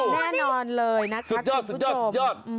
แน่นอนเลยนะครับทุกผู้โชม